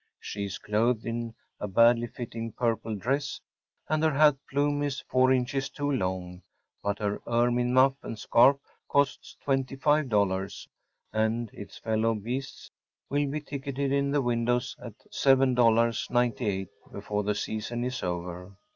She is clothed in a badly fitting purple dress, and her hat plume is four inches too long; but her ermine muff and scarf cost $25, and its fellow beasts will be ticketed in the windows at $7.98 before the season is over.